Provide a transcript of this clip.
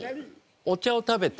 「お茶を食べて」？